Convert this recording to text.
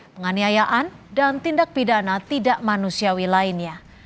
penganiayaan dan tindak pidana tidak manusiawi lainnya